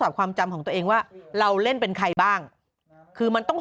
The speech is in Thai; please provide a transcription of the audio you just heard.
ความจำของตัวเองว่าเราเล่นเป็นใครบ้างคือมันต้อง